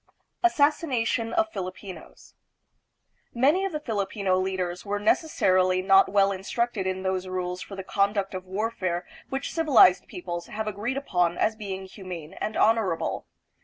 Assassination of Filipinos. Many of the Filipino leaders were necessarily not well instructed in those rules for the conduct of warfare which civilized peoples have agreed upon as being humane and honorable.